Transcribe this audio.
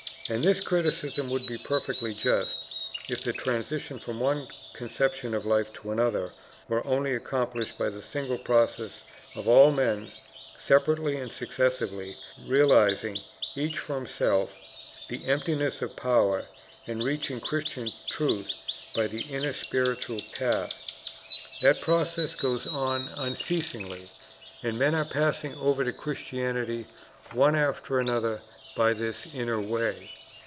And this criticism would be perfectly just, if the transition from one conception of life to another were only accomplished by the single process of all men, separately and successively, realizing, each for himself, the emptiness of power, and reaching Christian truth by the inner spiritual path. That process goes on unceasingly, and men are passing over to Christianity one after another by this inner way.